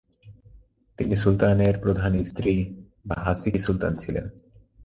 তিনি সুলতানের প্রধান স্ত্রী বা "হাসেকি সুলতান" ছিলেন।